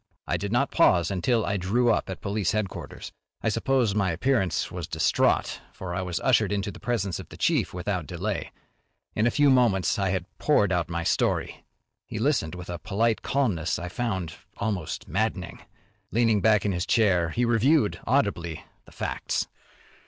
I did not pause until I drew up at police headquarters. I suppose my appearance was distraught, for I was ushered into the presence of the chief without delay. In a few moments I had poured out my story. He listened with a polite calmness I found almost maddening. Leaning back in his chair, he reviewed, audibly, the facts.